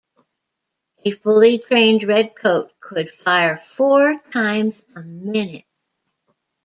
A fully trained redcoat could fire four times a minute.